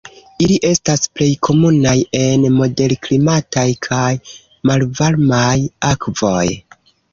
Ili estas plej komunaj en moderklimataj kaj malvarmaj akvoj.